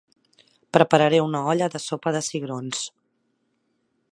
Prepararé una olla de sopa de cigrons